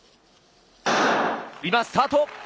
今、スタート。